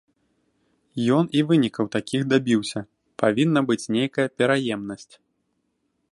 Ён і вынікаў такіх дабіўся, павінна быць нейкая пераемнасць.